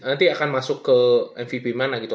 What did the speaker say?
nanti akan masuk ke mvp mana gitu